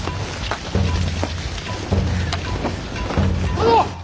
殿！